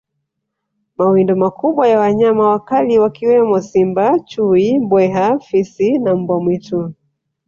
Mawindo makubwa ya wanyama wakali wakiwemo Simba Chui Mbweha Fisi na Mbwa mwitu